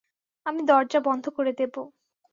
আমি দরজা বন্ধ করে দেব।